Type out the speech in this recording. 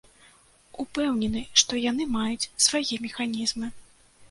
Упэўнены, што яны маюць свае механізмы.